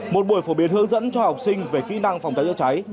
một buổi phổ biến hướng dẫn cho học sinh về kỹ năng phòng cháy chữa cháy